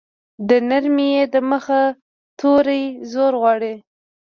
د نرمې ی د مخه توری زور غواړي.